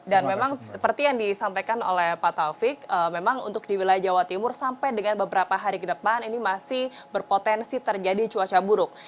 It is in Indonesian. dan memang seperti yang disampaikan oleh pak taufik memang untuk di wilayah jawa timur sampai dengan beberapa hari ke depan ini masih berpotensi terjadi cuaca buluk